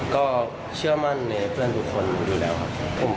ก็เชื่อมั่นในเพื่อนทุกคนอยู่แล้วครับผม